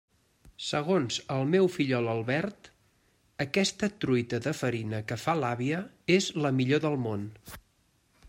Segons el meu fillol Albert, aquesta truita de farina que fa l'àvia és «la millor del món».